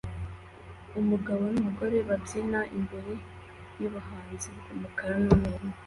Umugabo numugore babyina imbere yubuhanzi bwumukara numweru